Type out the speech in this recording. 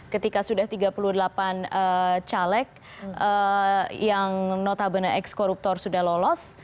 ketika sudah tiga puluh delapan caleg yang notabene eks koruptor sudah lolos